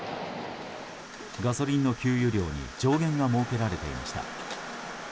ガソリンの給油量に上限が設けられていました。